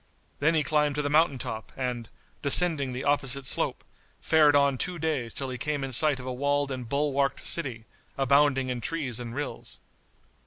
Then he climbed to the mountain top, and, descending the opposite slope, fared on two days till he came in sight of a walled and bulwarked city, abounding in trees and rills.